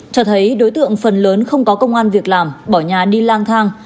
cho thấy đối tượng phần lớn không có công an việc làm bỏ nhà đi lang thang